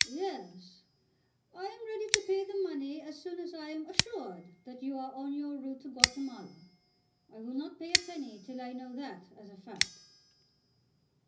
"Yes; I am ready to pay the money as soon as I am assured that you are on your route to Guatemala. I will not pay a penny till I know that as a fact."